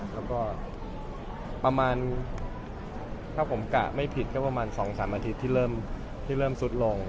แล้วก็ประมาณถ้าผมกะไม่ผิดก็ประมาณ๒๓อาทิตย์ที่เริ่มซุดลง